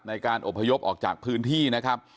ในการอบพยพออกจากพื้นที่นะครับ